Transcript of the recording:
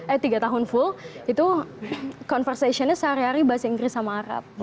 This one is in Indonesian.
ehm eh tiga tahun full itu conversation nya sehari hari bahasa inggris sama arab gitu